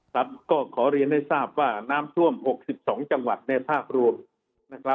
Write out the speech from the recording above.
ครับก็ขอเรียนให้ทราบว่าน้ำท่วม๖๒จังหวัดในภาพรวมนะครับ